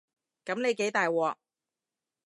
噉你幾大鑊